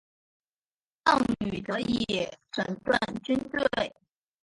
邓禹得以整顿军队。